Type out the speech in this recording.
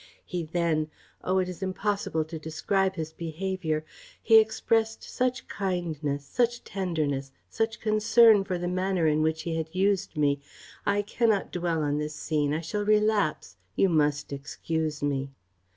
He then O! it is impossible to describe his behaviour he exprest such kindness, such tenderness, such concern for the manner in which he had used me I cannot dwell on this scene I shall relapse you must excuse me."